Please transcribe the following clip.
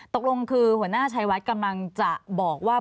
ตกลงคือหัวหน้าชัยวัดกำลังจะบอกว่า